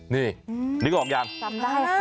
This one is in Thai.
นี่นึกออกยังจำได้ค่ะ